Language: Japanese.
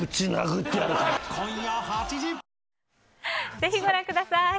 ぜひご覧ください。